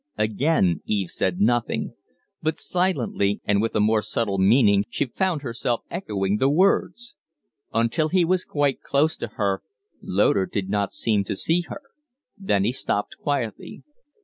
Again Eve said nothing. But silently and with a more subtle meaning she found herself echoing the words. Until he was quite close to her, Loder did not seem to see her. Then he stopped quietly.